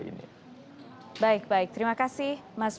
kami sebagai penegak hukum tetap akan fokus pada proses politik yang berjalan